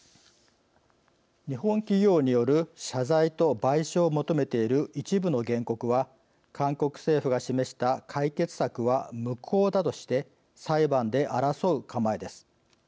日本企業による謝罪と賠償を求めている一部の原告は韓国政府が示した解決策は無効だとして裁判で争う構えです。